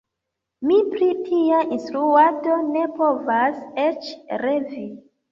Mi pri tia instruado ne povas eĉ revi.